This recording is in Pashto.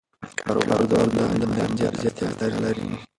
کاروبار دوامدارې مبارزې ته اړتیا لري.